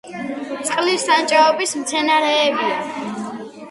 წყლის ან ჭაობის მცენარეებია.